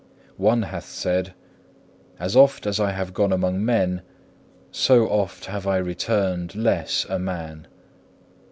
2. One hath said, "As oft as I have gone among men, so oft have I returned less a man."